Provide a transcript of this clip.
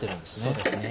そうですね。